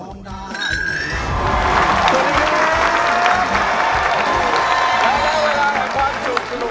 สวัสดีครับทุกคน